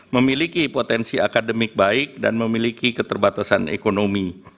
memiliki potensi akademik baik dan memiliki keterbatasan ekonomi